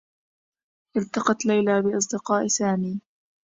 التقت ليلى بأصدقاء سامي.